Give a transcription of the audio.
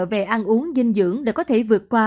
về ăn uống dinh dưỡng để có thể vượt qua